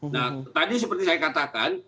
nah tadi seperti saya katakan